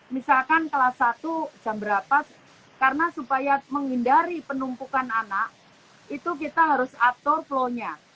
misalkan kelas satu jam berapa karena supaya menghindari penumpukan anak itu kita harus atur flow nya